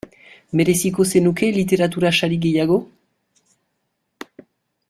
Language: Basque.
Mereziko zenuke literatura sari gehiago?